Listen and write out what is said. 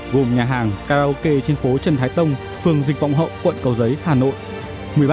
gồm nhà hàng karaoke trên phố trần thái tông phường dịch vọng hậu quận cầu giấy hà nội